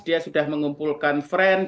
dia sudah mengumpulkan friend